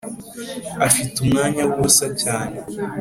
afite umwanya wubusa cyane.